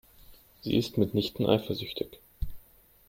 Sie ist mitnichten eifersüchtig.